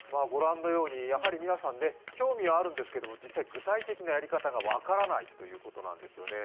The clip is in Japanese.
やはり皆さん興味はあるんですけれども、実際、具体的なやり方が分からないということなんですよね。